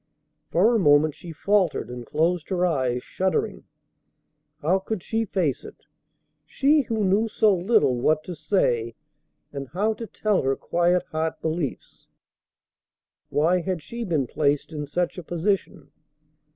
For a moment she faltered, and closed her eyes, shuddering. How could she face it, she, who knew so little what to say and how to tell her quiet heart beliefs? Why had she been placed in such a position?